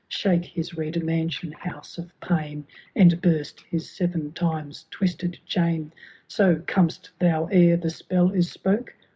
Shake his red mansion house of pain. And burst his seven times twisted chain !— So ! com*st thou ere the spell is spoke